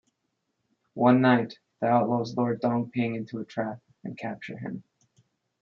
One night, the outlaws lure Dong Ping into a trap and capture him.